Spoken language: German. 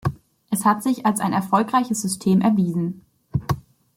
Es hat sich als ein erfolgreiches System erwiesen.